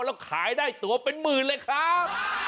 แล้วขายได้ตัวเป็นหมื่นเลยครับ